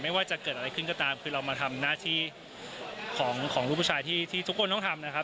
ไม่ว่าจะเกิดอะไรขึ้นก็ตามคือเรามาทำหน้าที่ของลูกผู้ชายที่ทุกคนต้องทำนะครับ